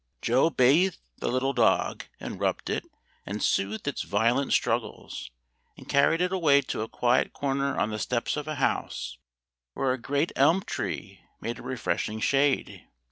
Joe bathed the little dog, and rubbed it, and soothed its violent struggles, and carried it away to a quiet corner on the steps of a house where a great elm tree made a refreshing shade.